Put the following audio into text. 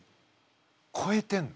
こえてんの。